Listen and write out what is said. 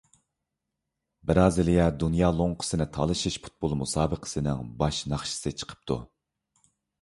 بىرازىلىيە دۇنيا لوڭقىسىنى تالىشىش پۇتبول مۇسابىقىسىنىڭ باش ناخشىسى چىقىپتۇ.